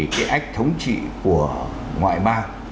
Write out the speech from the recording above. cái ách thống trị của ngoại ma